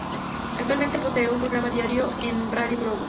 Actualmente posee un programa diario en Rádio Globo.